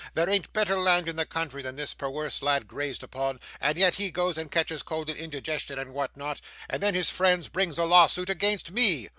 There an't better land in the country than this perwerse lad grazed on, and yet he goes and catches cold and indigestion and what not, and then his friends brings a lawsuit against ME!